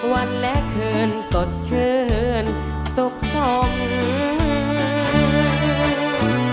วันและคืนสดชื่นสุขทรง